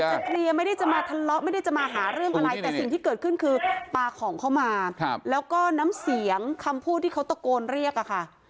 เคลียร์ไม่ได้จะมาทะเลาะไม่ได้จะมาหาเรื่องอะไรแต่สิ่งที่เกิดขึ้นคือปลาของเข้ามาแล้วก็น้ำเสียงคำพูดที่เขาตะโกนเรียกอะค่ะ